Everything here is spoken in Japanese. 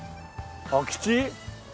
空き地？